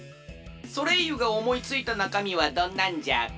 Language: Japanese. ソレイユがおもいついたなかみはどんなんじゃ？